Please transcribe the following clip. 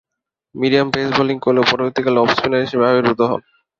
Medium pace bowling করলেও পরবর্তীকালে off spinner হিসেবে আবির্ভূত হন।